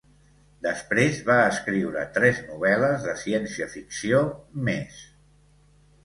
Després va escriure tres novel·les de ciència-ficció més.